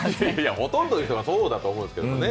ほとんどの人がそうだと思うんですけれどもね。